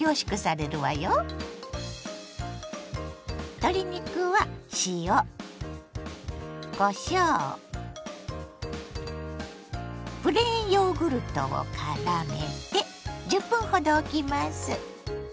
鶏肉は塩こしょうプレーンヨーグルトをからめて１０分ほどおきます。